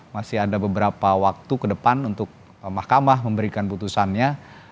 masih ada beberapa waktu ke depan untuk mahkamah memberikan putusannya